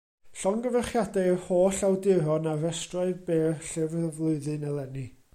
Llongyfarchiadau i'r holl awduron ar restrau byr Llyfr y Flwyddyn eleni.